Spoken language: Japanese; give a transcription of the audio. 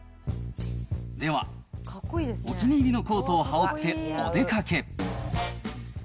では、お気に入りのコートを羽織ってお出かけ。